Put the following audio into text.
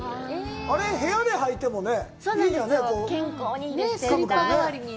あれ、部屋で履いてもいいよね。